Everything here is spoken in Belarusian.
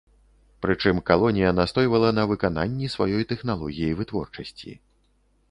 Прычым калонія настойвала на выкананні сваёй тэхналогіі вытворчасці.